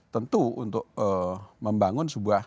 tentu untuk membangun sebuah